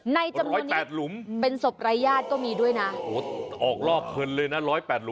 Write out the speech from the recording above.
ในจำนวนนี้เป็นศพรายาศก็มีด้วยนะโอ้โหออกลอกเผินเลยนะร้อยแปดหลุม